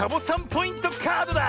ポイントカードだ！